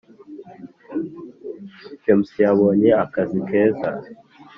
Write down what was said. James yabonye akazi keza